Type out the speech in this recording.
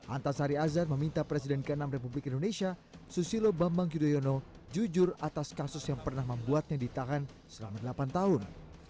antasari azhar meminta presiden ke enam republik indonesia susilo bambang yudhoyono jujur atas kasus yang pernah membuatnya ditahan selama delapan tahun